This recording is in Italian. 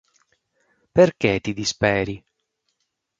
Perché ti disperi?